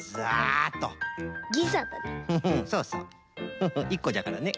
フフ１こじゃからね。